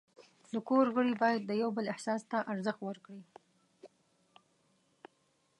د کور غړي باید د یو بل احساس ته ارزښت ورکړي.